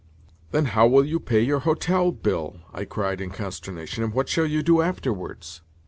"Then how will you pay your hotel bill?" I cried in consternation. "And what shall you do afterwards?"